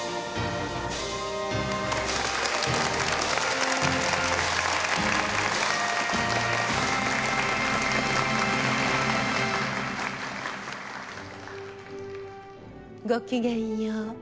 うん！ごきげんよう。